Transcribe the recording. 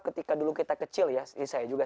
ketika dulu kita kecil ya ini saya juga